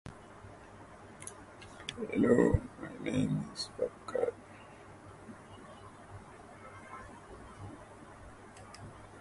but I hope they learn at least what they are about.